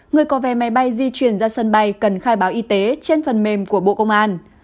người có vé máy bay di chuyển ra sân bay cần khai báo y tế trên phần mềm của bộ công an